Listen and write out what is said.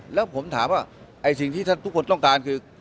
แล้วผมถามว่าไอ้สิ่งที่ทุกคนต้องการคือ